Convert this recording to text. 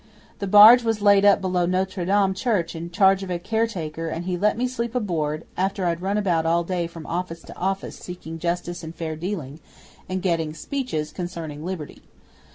The barge was laid up below Notre Dame church in charge of a caretaker, and he let me sleep aboard after I'd run about all day from office to office, seeking justice and fair dealing, and getting speeches concerning liberty.